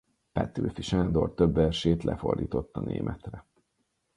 Petőfi Sándor több versét lefordította németre.